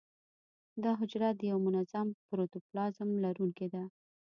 دا حجره د یو منظم پروتوپلازم لرونکې ده.